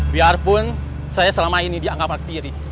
biarpun saya selama ini dianggap aktiri